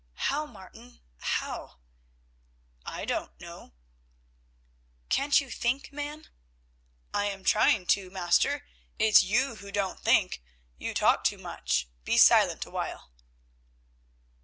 "How, Martin, how?" "I don't know." "Can't you think, man?" "I am trying to, master; it's you who don't think. You talk too much. Be silent a while."